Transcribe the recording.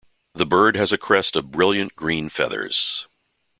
The bird has a crest of brilliant green feathers.